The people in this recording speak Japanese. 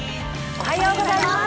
おはようございます。